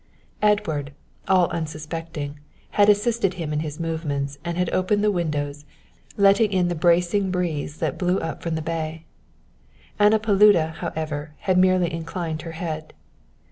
Edward, all unsuspecting, had assisted him in his movements and had opened the windows, letting in the bracing breeze that blew up from the bay. Anna Paluda, however, had merely inclined her head.